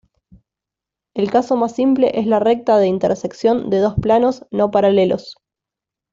El caso más simple es la recta de intersección de dos planos no paralelos.